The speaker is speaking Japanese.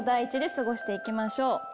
過ごしていきましょう。